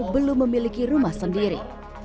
belum memiliki rumah sendiri